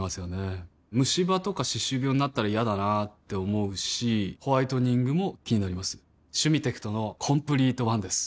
ムシ歯とか歯周病になったら嫌だなって思うしホワイトニングも気になります「シュミテクトのコンプリートワン」です